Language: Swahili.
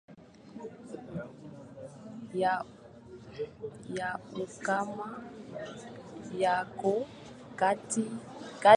Ya ukame yako kati ya Novemba hadi Machi.